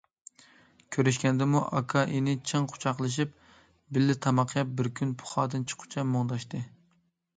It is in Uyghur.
كۆرۈشكەندىمۇ ئاكا- ئىنى چىڭ قۇچاقلىشىپ، بىللە تاماق يەپ، بىر كۈن پۇخادىن چىققۇچە مۇڭداشتى.